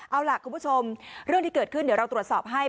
เอาล่ะคุณผู้ชมเรื่องที่เกิดขึ้นเดี๋ยวเราตรวจสอบให้